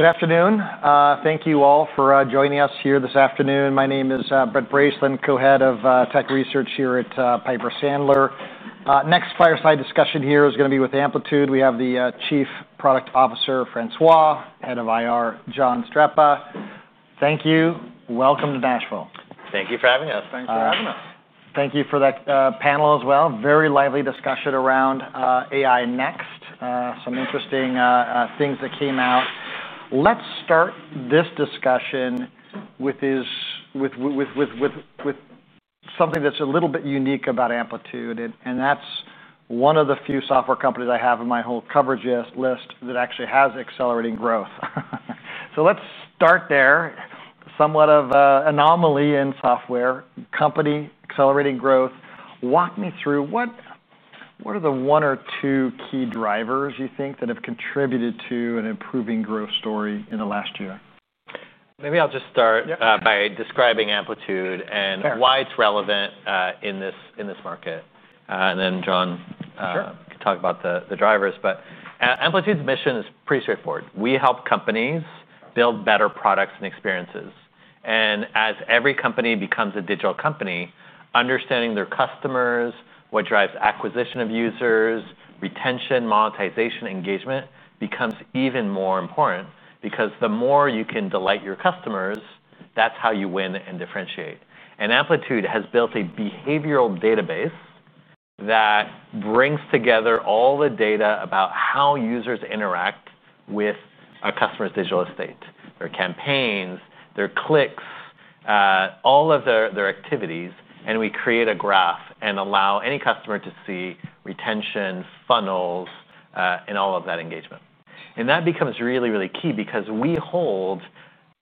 Good afternoon. Thank you all for joining us here this afternoon. My name is Brett Bracey and I'm Co-Head of Tech Research here at Piper Sandler. Next fireside discussion here is going to be with Amplitude. We have the Chief Product Officer, Francois Ajenstat, and Head of Investor Relations, John Streppa. Thank you. Welcome to Nashville. Thank you for having us. Thanks for having us. Thank you for that panel as well. Very lively discussion around AI next. Some interesting things that came out. Let's start this discussion with something that's a little bit unique about Amplitude, and that's one of the few software companies I have in my whole coverage list that actually has accelerating growth. Let's start there. Somewhat of an anomaly in software company, accelerating growth. Walk me through what are the one or two key drivers you think that have contributed to an improving growth story in the last year? Maybe I'll just start by describing Amplitude and why it's relevant in this market. John could talk about the drivers. Amplitude's mission is pretty straightforward. We help companies build better products and experiences. As every company becomes a digital company, understanding their customers, what drives acquisition of users, retention, monetization, engagement becomes even more important because the more you can delight your customers, that's how you win and differentiate. Amplitude has built a behavioral database that brings together all the data about how users interact with our customers' digital estate, their campaigns, their clicks, all of their activities. We create a graph and allow any customer to see retention, funnels, and all of that engagement. That becomes really, really key because we hold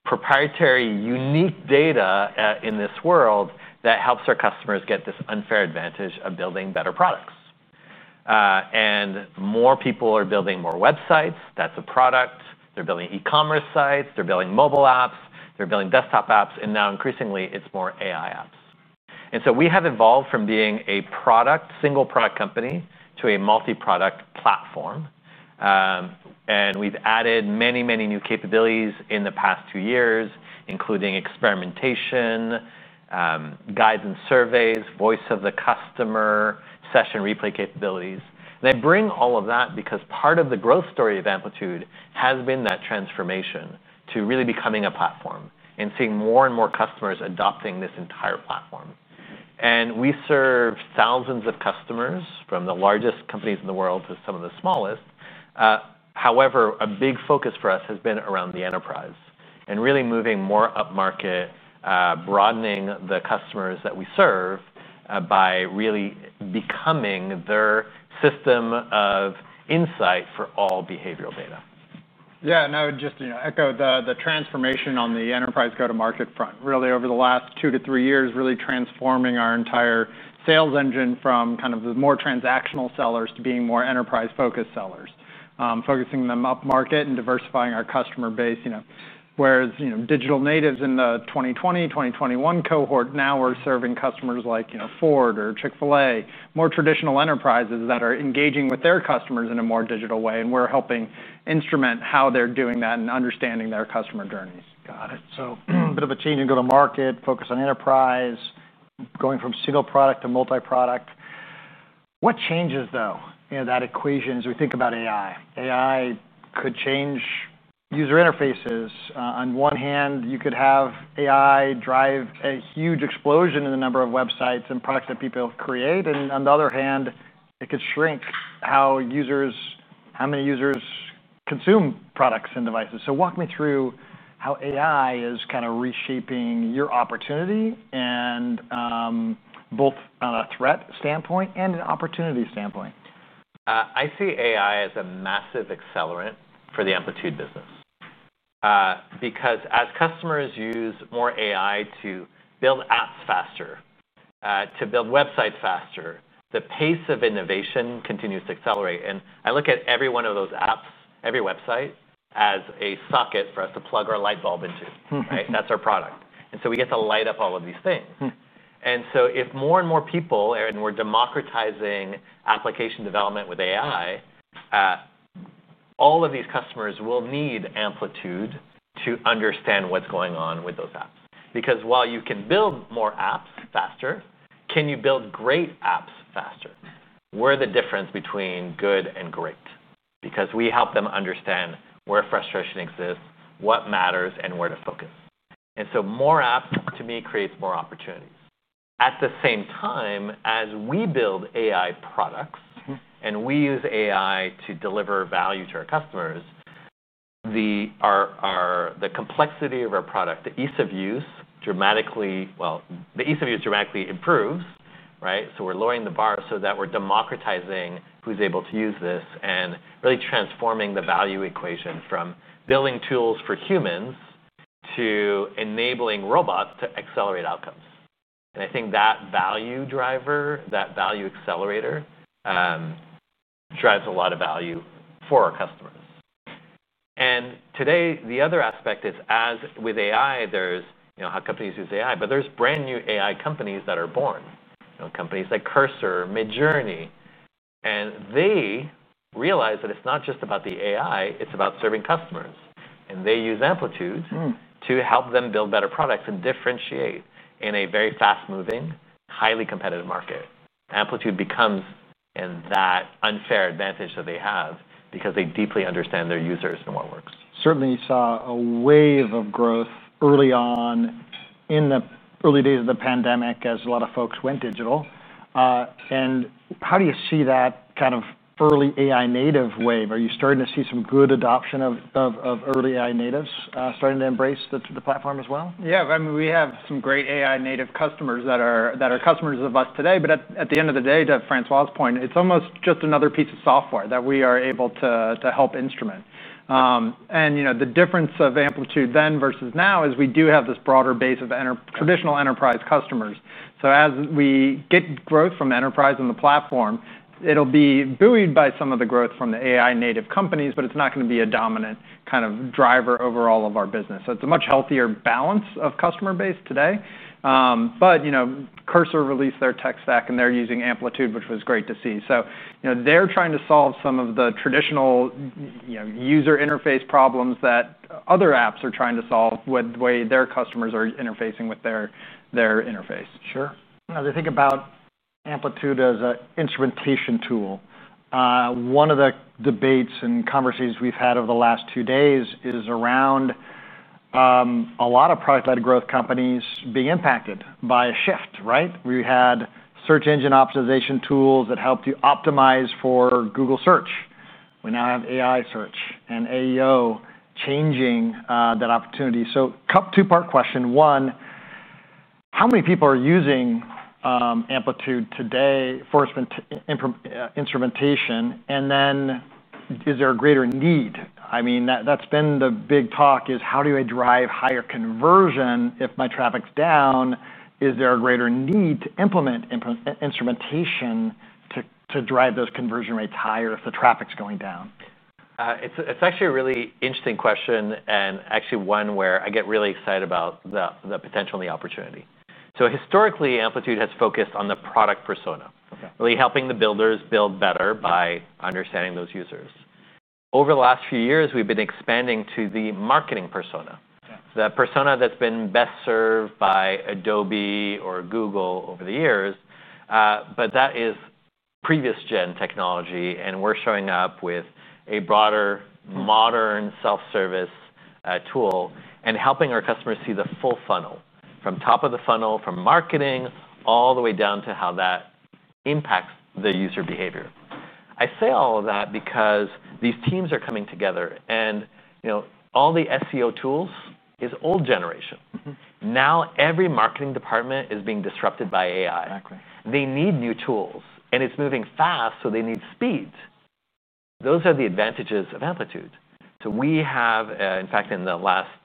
proprietary, unique data in this world that helps our customers get this unfair advantage of building better products. More people are building more websites. That's a product. They're building e-commerce sites. They're building mobile apps. They're building desktop apps. Now, increasingly, it's more AI apps. We have evolved from being a single product company to a multi-product platform. We've added many, many new capabilities in the past two years, including experimentation, guidance, surveys, voice of the customer, session replay capabilities. I bring all of that because part of the growth story of Amplitude has been that transformation to really becoming a platform and seeing more and more customers adopting this entire platform. We serve thousands of customers from the largest companies in the world to some of the smallest. However, a big focus for us has been around the enterprise and really moving more up-market, broadening the customers that we serve by really becoming their system of insight for all behavioral data. Yeah, and I would just echo the transformation on the enterprise go-to-market front. Really, over the last two to three years, really transforming our entire sales engine from kind of the more transactional sellers to being more enterprise-focused sellers, focusing them up-market and diversifying our customer base. Whereas digital natives in the 2020-2021 cohort now are serving customers like Ford or Chick-fil-A, more traditional enterprises that are engaging with their customers in a more digital way. We're helping instrument how they're doing that and understanding their customer journeys. Got it. A bit of a change in go-to-market, focus on enterprise, going from single product to multi-product. What changes, though, in that equation as we think about AI? AI could change user interfaces. On one hand, you could have AI drive a huge explosion in the number of websites and products that people create. On the other hand, it could shrink how many users consume products and devices. Walk me through how AI is kind of reshaping your opportunity and both a threat standpoint and an opportunity standpoint. I see AI as a massive accelerant for the Amplitude business because as customers use more AI to build apps faster, to build websites faster, the pace of innovation continues to accelerate. I look at every one of those apps, every website, as a socket for us to plug our light bulb into. That's our product. We get to light up all of these things. If more and more people, and we're democratizing application development with AI, all of these customers will need Amplitude to understand what's going on with those apps. Because while you can build more apps faster, can you build great apps faster? We're the difference between good and great because we help them understand where frustration exists, what matters, and where to focus. More apps, to me, creates more opportunities. At the same time, as we build AI products and we use AI to deliver value to our customers, the complexity of our product, the ease of use dramatically, the ease of use dramatically improves. We're lowering the bar so that we're democratizing who's able to use this and really transforming the value equation from building tools for humans to enabling robots to accelerate outcomes. I think that value driver, that value accelerator, drives a lot of value for our customers. Today, the other aspect is, as with AI, there's how companies use AI, but there's brand new AI companies that are born. Companies like Cursor, Midjourney. They realize that it's not just about the AI, it's about serving customers. They use Amplitude to help them build better products and differentiate in a very fast-moving, highly competitive market. Amplitude becomes that unfair advantage that they have because they deeply understand their users and what works. Certainly saw a wave of growth early on in the early days of the pandemic as a lot of folks went digital. How do you see that kind of early AI-native wave? Are you starting to see some good adoption of early AI-natives starting to embrace the platform as well? Yeah. I mean, we have some great AI-native customers that are customers of us today. At the end of the day, to Francois's point, it's almost just another piece of software that we are able to help instrument. The difference of Amplitude then versus now is we do have this broader base of traditional enterprise customers. As we get growth from enterprise in the platform, it'll be buoyed by some of the growth from the AI-native companies, but it's not going to be a dominant kind of driver overall of our business. It's a much healthier balance of customer base today. Cursor released their tech stack and they're using Amplitude, which was great to see. They're trying to solve some of the traditional user interface problems that other apps are trying to solve with the way their customers are interfacing with their interface. Sure. As I think about Amplitude as an instrumentation tool, one of the debates and conversations we've had over the last two days is around a lot of product-led growth companies being impacted by a shift. We had search engine optimization tools that helped you optimize for Google Search. We now have AI Search and AEO changing that opportunity. Two-part question. One, how many people are using Amplitude today for instrumentation? Is there a greater need? That's been the big talk, how do I drive higher conversion if my traffic's down? Is there a greater need to implement instrumentation to drive those conversion rates higher if the traffic's going down? It's actually a really interesting question and actually one where I get really excited about the potential and the opportunity. Historically, Amplitude has focused on the product persona, really helping the builders build better by understanding those users. Over the last few years, we've been expanding to the marketing persona, that persona that's been best served by Adobe or Google over the years, but that is previous gen technology. We're showing up with a broader, modern self-service tool and helping our customers see the full funnel from top of the funnel, from marketing all the way down to how that impacts the user behavior. I say all of that because these teams are coming together. All the SEO tools are old generation. Now every marketing department is being disrupted by AI. They need new tools. It's moving fast, so they need speed. Those are the advantages of Amplitude. In fact, in the last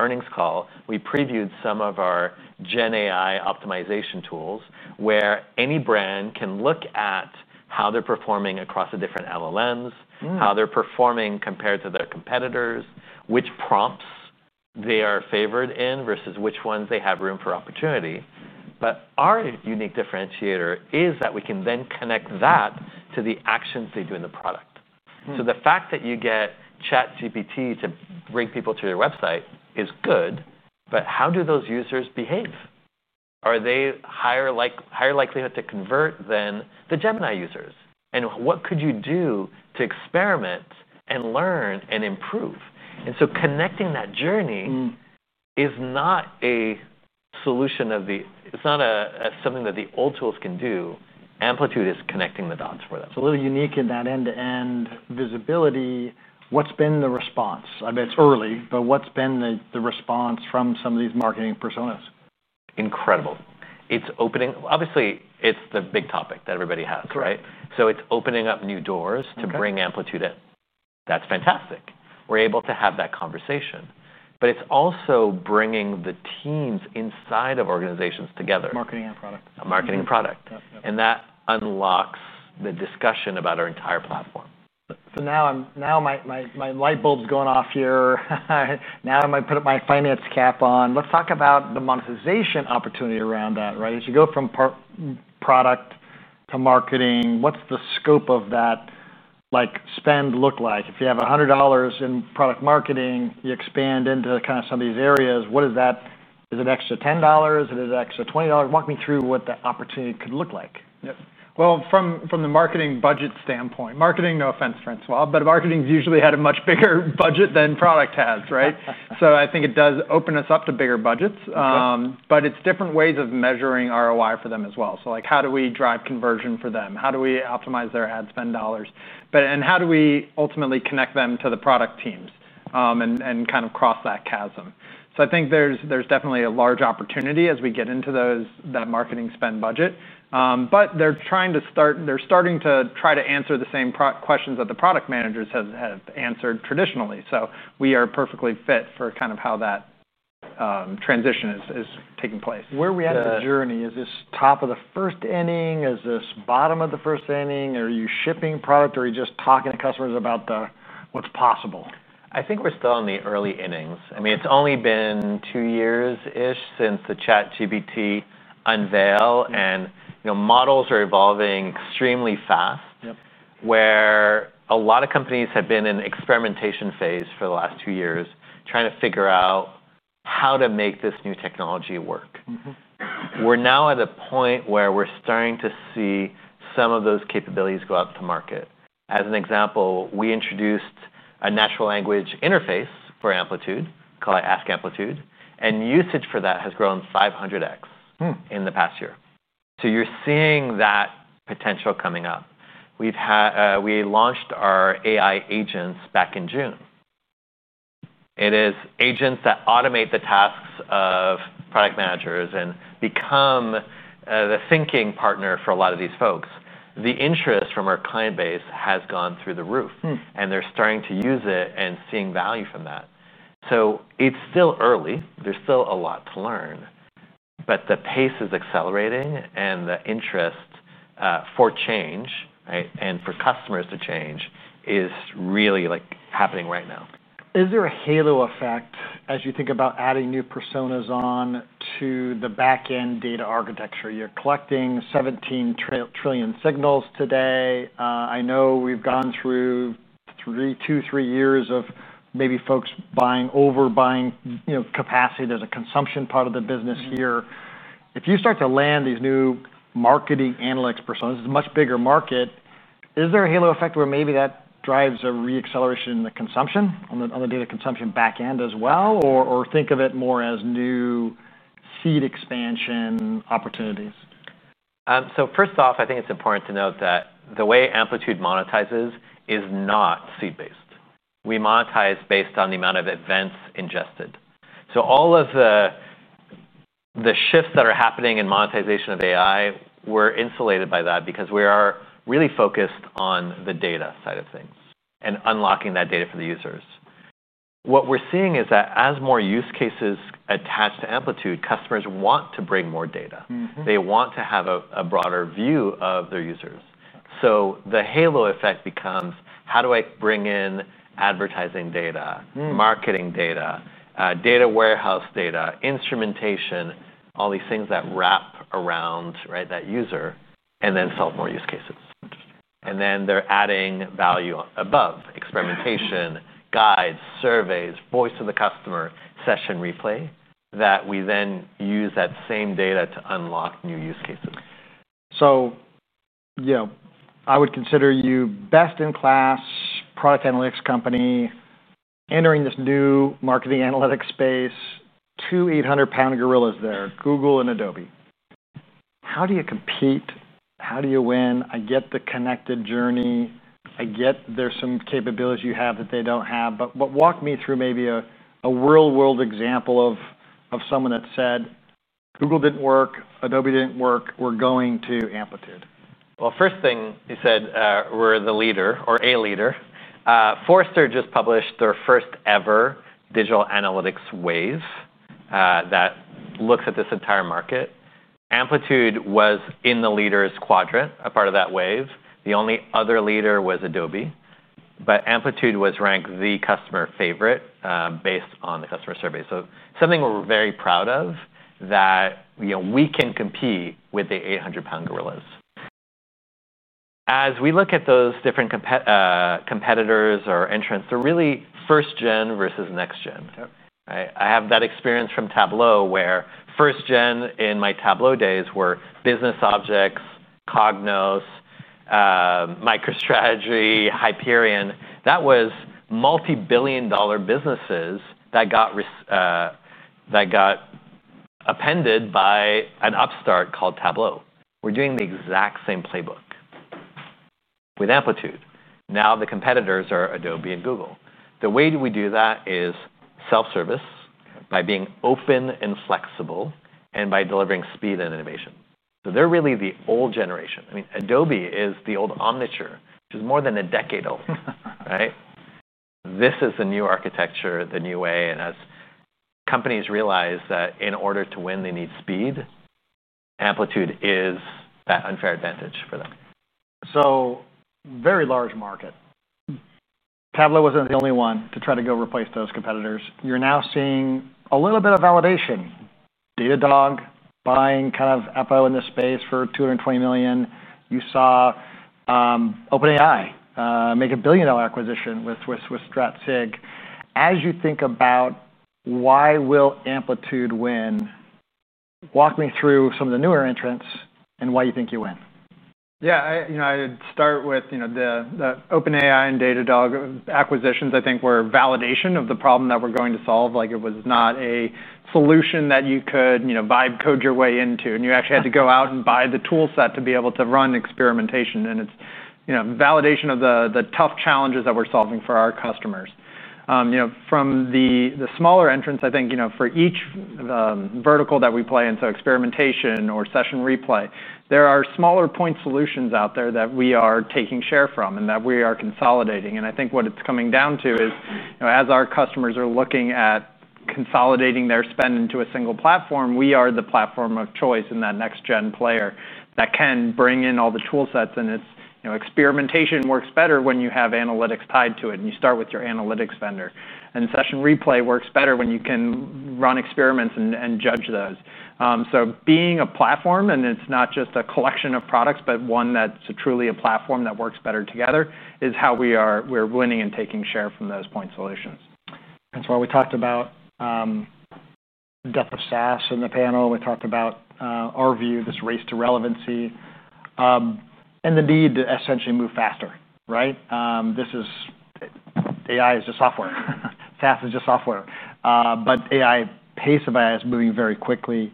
earnings call, we previewed some of our GenAI optimization tools where any brand can look at how they're performing across the different LLMs, how they're performing compared to their competitors, which prompts they are favored in versus which ones they have room for opportunity. Our unique differentiator is that we can then connect that to the actions they do in the product. The fact that you get ChatGPT to bring people to your website is good, but how do those users behave? Are they higher likelihood to convert than the Gemini users? What could you do to experiment and learn and improve? Connecting that journey is not a solution that the old tools can do. Amplitude is connecting the dots for them. It's a little unique in that end-to-end visibility. What's been the response? I mean, it's early, but what's been the response from some of these marketing personas? Incredible. It's opening. Obviously, it's the big topic that everybody has, right? It's opening up new doors to bring Amplitude in. That's fantastic. We're able to have that conversation. It's also bringing the teams inside of organizations together. Marketing and product. Marketing and product, that unlocks the discussion about our entire platform. My light bulb's going off here. I might put my finance cap on. Let's talk about the monetization opportunity around that, right? As you go from product to marketing, what's the scope of that spend look like? If you have $100 in product marketing, you expand into kind of some of these areas, what is that? Is it an extra $10? Is it an extra $20? Walk me through what the opportunity could look like. From the marketing budget standpoint, marketing, no offense, Francois, but marketing's usually had a much bigger budget than product has, right? I think it does open us up to bigger budgets. It's different ways of measuring ROI for them as well. Like how do we drive conversion for them? How do we optimize their ad spend dollars? How do we ultimately connect them to the product teams and kind of cross that chasm? I think there's definitely a large opportunity as we get into that marketing spend budget. They're starting to try to answer the same questions that the product managers have answered traditionally. We are perfectly fit for kind of how that transition is taking place. Where are we at in the journey? Is this top of the first inning? Is this bottom of the first inning? Are you shipping product? Are you just talking to customers about what's possible? I think we're still in the early innings. I mean, it's only been two years-ish since the ChatGPT unveil and models are evolving extremely fast. Where a lot of companies have been in an experimentation phase for the last two years trying to figure out how to make this new technology work, we're now at a point where we're starting to see some of those capabilities go out to market. As an example, we introduced a natural language interface for Amplitude called Ask Amplitude, and usage for that has grown 500x in the past year. You're seeing that potential coming up. We launched our Amplitude AI agents back in June. It is agents that automate the tasks of product managers and become the thinking partner for a lot of these folks. The interest from our client base has gone through the roof. They're starting to use it and seeing value from that. It's still early. There's still a lot to learn, but the pace is accelerating and the interest for change and for customers to change is really happening right now. Is there a halo effect as you think about adding new personas onto the backend data architecture? You're collecting 17 trillion signals today. I know we've gone through two or three years of maybe folks buying, overbuying capacity. There's a consumption part of the business here. If you start to land these new marketing analytics personas, it's a much bigger market. Is there a halo effect where maybe that drives a re-acceleration in the consumption on the data consumption backend as well? Do you think of it more as new seat expansion opportunities? First off, I think it's important to note that the way Amplitude monetizes is not seat-based. We monetize based on the amount of events ingested. All of the shifts that are happening in monetization of AI were insulated by that because we are really focused on the data side of things and unlocking that data for the users. What we're seeing is that as more use cases attach to Amplitude, customers want to bring more data. They want to have a broader view of their users. The halo effect becomes, how do I bring in advertising data, marketing data, data warehouse data, instrumentation, all these things that wrap around that user and then solve more use cases? They're adding value above experimentation, guides, surveys, voice of the customer, session replay that we then use that same data to unlock new use cases. I would consider you best-in-class product analytics company entering this new marketing analytics space, two 800-pound gorillas there, Google and Adobe. How do you compete? How do you win? I get the connected journey. I get there's some capabilities you have that they don't have. Walk me through maybe a real-world example of someone that said, Google didn't work. Adobe didn't work. We're going to Amplitude. First thing you said, we're the leader or a leader. Forrester just published their first ever Digital Analytics Wave that looks at this entire market. Amplitude was in the leaders quadrant, a part of that wave. The only other leader was Adobe. Amplitude was ranked the customer favorite based on the customer survey. Something we're very proud of that we can compete with the 800-pound gorillas. As we look at those different competitors or entrants, they're really first gen versus next gen. I have that experience from Tableau where first gen in my Tableau days were BusinessObjects, Cognos, MicroStrategy, Hyperion. That was multi-billion dollar businesses that got appended by an upstart called Tableau. We're doing the exact same playbook with Amplitude. Now the competitors are Adobe and Google. The way we do that is self-service by being open and flexible and by delivering speed and innovation. They're really the old generation. I mean, Adobe is the old Omniture, which is more than a decade old. This is the new architecture, the new way. As companies realize that in order to win, they need speed, Amplitude is that unfair advantage for them. Very large market. Tableau wasn't the only one to try to go replace those competitors. You're now seeing a little bit of validation. Datadog buying kind of Apple in this space for $220 million. You saw OpenAI make a billion-dollar acquisition with Stratsig. As you think about why will Amplitude win, walk me through some of the newer entrants and why you think you win. I would start with the OpenAI and Datadog acquisitions. I think they're a validation of the problem that we're going to solve. Like it was not a solution that you could buy and code your way into. You actually had to go out and buy the toolset to be able to run experimentation. It's a validation of the tough challenges that we're solving for our customers. From the smaller entrants, I think for each vertical that we play in, like experimentation or session replay, there are smaller point solutions out there that we are taking share from and that we are consolidating. I think what it's coming down to is as our customers are looking at consolidating their spend into a single platform, we are the platform of choice in that next-gen player that can bring in all the toolsets. Experimentation works better when you have analytics tied to it and you start with your analytics vendor. Session replay works better when you can run experiments and judge those. Being a platform, and it's not just a collection of products, but one that's truly a platform that works better together, is how we are winning and taking share from those point solutions. That's why we talked about DepoSaaS in the panel. We talked about our view, this race to relevancy and the need to essentially move faster. AI is just software. SaaS is just software. The pace of AI is moving very quickly.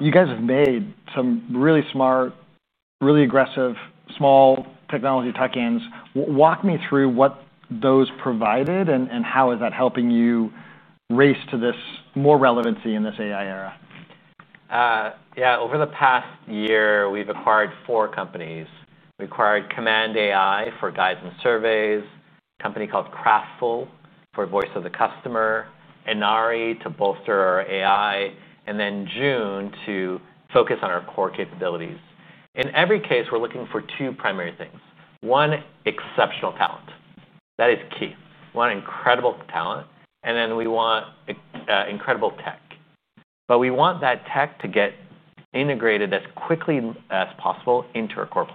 You guys have made some really smart, really aggressive, small technology tuck-ins. Walk me through what those provided and how is that helping you race to this more relevancy in this AI era? Yeah, over the past year, we've acquired four companies. We acquired Command AI for guidance surveys, a company called Craftful for voice of the customer, Anari to bolster our AI, and then June to focus on our core capabilities. In every case, we're looking for two primary things. One, exceptional talent. That is key. We want incredible talent, and then we want incredible tech. We want that tech to get integrated as quickly as possible into our core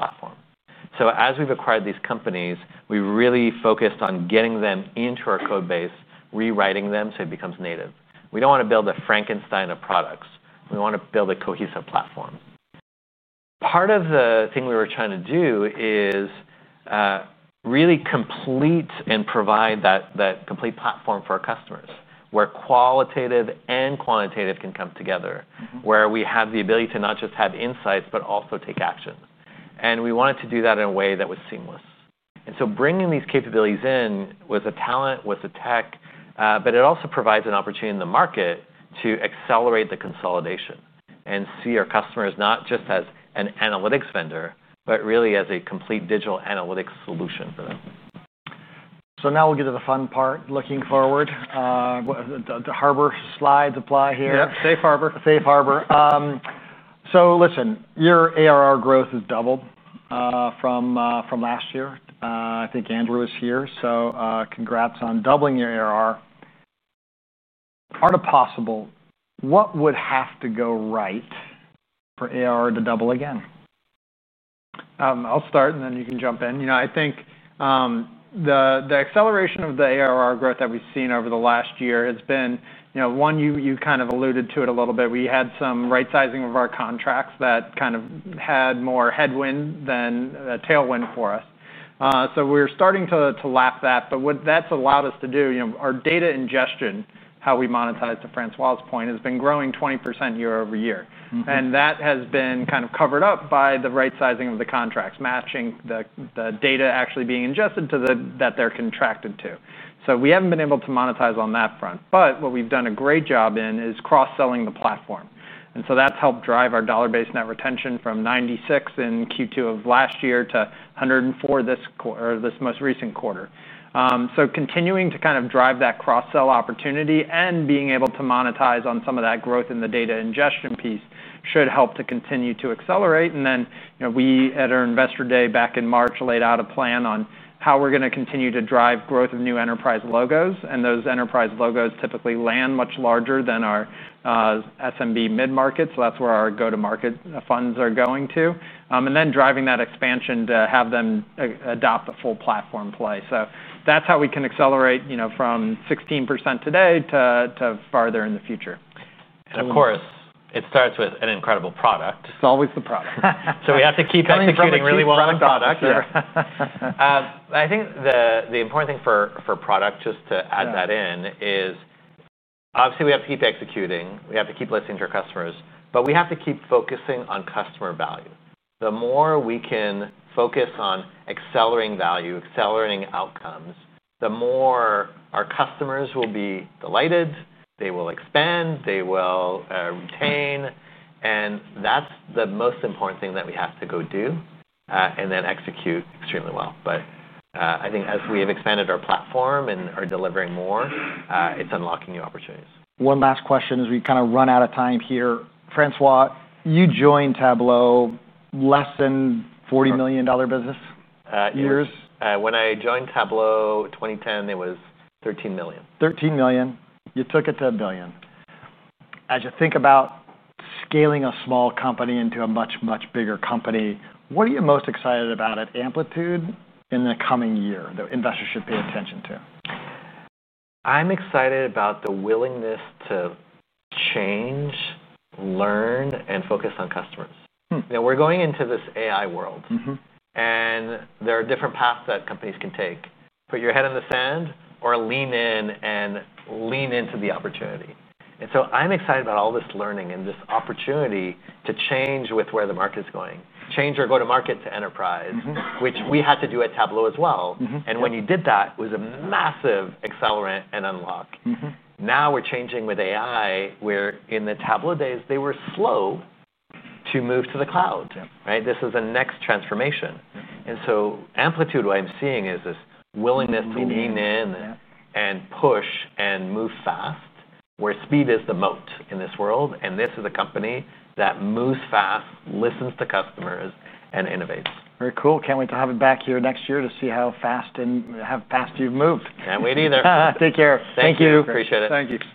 platform. As we've acquired these companies, we've really focused on getting them into our code base, rewriting them so it becomes native. We don't want to build a Frankenstein of products. We want to build a cohesive platform. Part of the thing we were trying to do is really complete and provide that complete platform for our customers where qualitative and quantitative can come together, where we have the ability to not just have insights, but also take action. We wanted to do that in a way that was seamless. Bringing these capabilities in with the talent, with the tech, it also provides an opportunity in the market to accelerate the consolidation and see our customers not just as an analytics vendor, but really as a complete digital analytics solution for them. Now we'll get to the fun part looking forward. Do Harbor slides apply here? Yep. Safe Harbor. Safe Harbor. Your ARR growth has doubled from last year. I think Andrew is here. Congrats on doubling your ARR. Are the possible what would have to go right for ARR to double again? I'll start and then you can jump in. I think the acceleration of the ARR growth that we've seen over the last year has been, you know, one, you kind of alluded to it a little bit. We had some rightsizing of our contracts that had more headwind than a tailwind for us. We're starting to lap that. What that's allowed us to do, our data ingestion, how we monetize, to Francois's point, has been growing 20% year over year. That has been kind of covered up by the rightsizing of the contracts, matching the data actually being ingested that they're contracted to. We haven't been able to monetize on that front. What we've done a great job in is cross-selling the platform, and that's helped drive our dollar-based net retention from 96 in Q2 of last year to 104 this quarter, or this most recent quarter. Continuing to drive that cross-sell opportunity and being able to monetize on some of that growth in the data ingestion piece should help to continue to accelerate. At our investor day back in March, we laid out a plan on how we're going to continue to drive growth of new enterprise logos. Those enterprise logos typically land much larger than our SMB mid-market. That's where our go-to-market funds are going to, and driving that expansion to have them adopt a full platform play. That's how we can accelerate from 16% today to farther in the future. It starts with an incredible product. It's always the product. We have to keep executing really well on product. I think the important thing for product, just to add that in, is obviously we have to keep executing. We have to keep listening to our customers. We have to keep focusing on customer value. The more we can focus on accelerating value, accelerating outcomes, the more our customers will be delighted. They will expand. They will retain. That's the most important thing that we have to go do and execute extremely well. I think as we have expanded our platform and are delivering more, it's unlocking new opportunities. One last question as we kind of run out of time here. Francois, you joined Tableau less than $40 million business years. When I joined Tableau in 2010, it was $13 million. $13 million. You took it to a billion. As you think about scaling a small company into a much, much bigger company, what are you most excited about at Amplitude in the coming year that investors should pay attention to? I'm excited about the willingness to change, learn, and focus on customers. Now we're going into this AI world. There are different paths that companies can take. Put your head in the sand or lean in and lean into the opportunity. I'm excited about all this learning and this opportunity to change with where the market's going. Change our go-to-market to enterprise, which we had to do at Tableau as well. When you did that, it was a massive accelerant and unlock. Now we're changing with AI, where in the Tableau days, they were slow to move to the cloud. This is a next transformation. Amplitude, what I'm seeing is this willingness to lean in and push and move fast, where speed is the moat in this world. This is a company that moves fast, listens to customers, and innovates. Very cool. Can't wait to have you back here next year to see how fast you've moved. Can't wait either. Take care. Thank you. Appreciate it. Thank you.